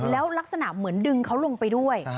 แล้วลักษณะเหมือนดึงเขาลงไปด้วย